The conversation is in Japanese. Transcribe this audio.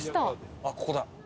あっここだ。